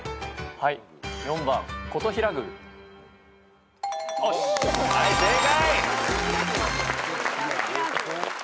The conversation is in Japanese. はい正解！